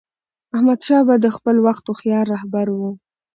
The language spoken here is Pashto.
احمدشاه بابا د خپل وخت هوښیار رهبر و.